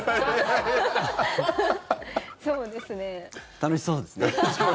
楽しそうですね。